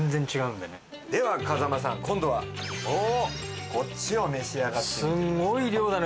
では風間さん今度はこっちを召し上がってみてください。